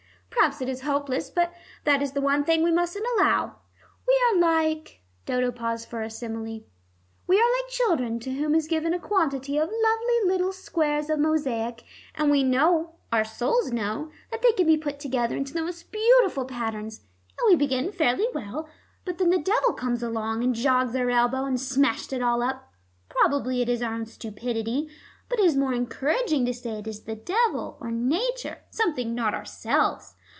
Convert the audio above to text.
Perhaps it is hopeless but that is the one thing we mustn't allow. We are like" Dodo paused for a simile "we are like children to whom is given a quantity of lovely little squares of mosaic, and we know, our souls know, that they can be put together into the most beautiful patterns. And we begin fairly well, but then the devil comes along, and jogs our elbow, and smashes it all up. Probably it is our own stupidity, but it is more encouraging to say it is the devil or nature, something not ourselves.